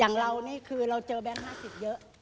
อย่างเรานี่คือเราเจอแบงค์๕๐เยอะ